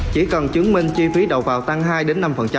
chỉ cần chứng minh chi phí đầu vào tăng hai năm